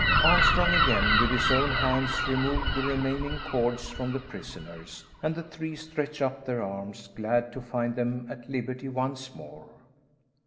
Armstrong, again, with his own hands removed the remaining cords from the prisoners, and the three stretched up their arms, glad to find them at liberty once more.